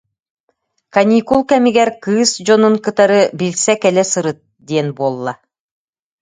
Каникул кэмигэр кыыс дьонун кытары билсэ кэлэ сырыт диэн буолла